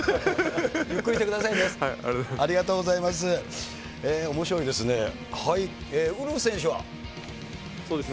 ゆっくりしてくださいね。